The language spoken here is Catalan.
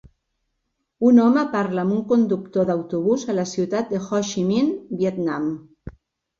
Un home parla amb un conductor d'autobús a la ciutat de Ho Chi Minh, Vietnam.